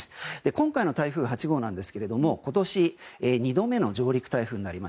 今回の台風８号ですが今年２度目の上陸台風です。